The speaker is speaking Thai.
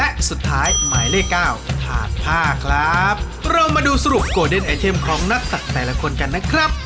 อ่ะหมายเลข๔๒๖เลือกไม่ได้แล้วค่ะ